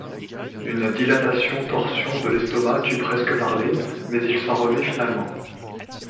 Une dilatation-torsion de l'estomac tue presque Marley, mais il s'en remet finalement.